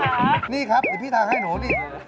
ป้องกันเขานี่ครับเดี๋ยวพี่ทาให้หนูนี่